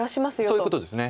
そういうことです。